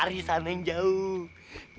lari sana yang jauh